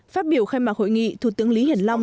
phát biểu khai mạc hội nghị thủ tướng lý hiển long